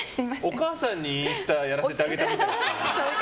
お母さんにインスタやらせてあげたみたいな。